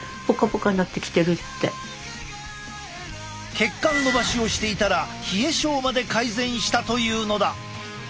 血管のばしをしていたら冷え症まで改善したというのだ！